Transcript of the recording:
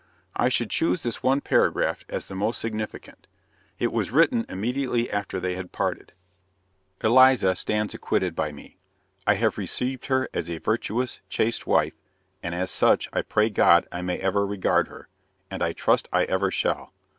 I should choose this one paragraph as the most significant. It was written immediately after they had parted: Eliza stands acquitted by me. I have received her as a virtuous, chaste wife, and as such I pray God I may ever regard her, and I trust I ever shall.